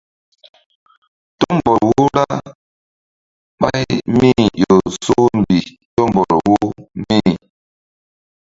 Tumbɔl wo ra ɓáy mí-i ƴo soh mbih tumbɔl wo mí.